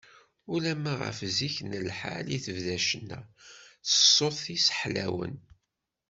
Ulamma ɣef zik n lḥal i tebda ccna s ṣṣut-is ḥlawen.